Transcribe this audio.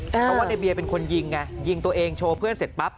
เพราะว่าในเบียร์เป็นคนยิงไงยิงตัวเองโชว์เพื่อนเสร็จปั๊บ